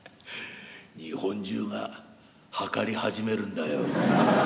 日本中が測り始めるんだよ」。